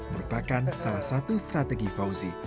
merupakan salah satu strategi fauzi